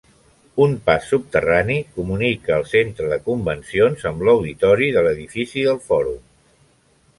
Un pas subterrani comunica el Centre de Convencions amb l'Auditori de l'Edifici del Fòrum.